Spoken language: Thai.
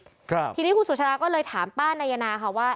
ครับทีนี้คุณสุชาดาก็เลยถามป้านายนาค่ะว่า